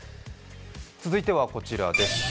続いてはこちらです。